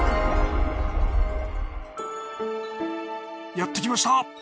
やってきました